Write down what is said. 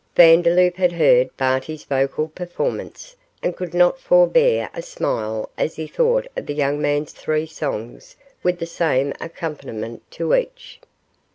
Vandeloup had heard Barty's vocal performance, and could not forbear a smile as he thought of the young man's three songs with the same accompaniment to each.